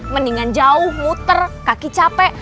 mendingan jauh muter kaki capek